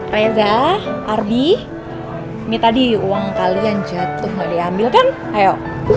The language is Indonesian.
reza ardi minta di uang kalian jatuh gak diambil kan ayo